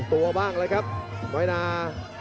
โยกขวางแก้งขวา